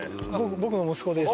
僕の息子です。